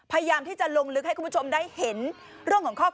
พยายามวิจัยลงฤทธิ์ให้ว่าทุกชมได้เห็นเรื่องของข้อกฎหมาย